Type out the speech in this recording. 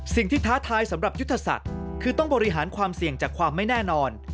ท้าทายสำหรับยุทธศาสตร์คือต้องบริหารความเสี่ยงจากความไม่แน่นอน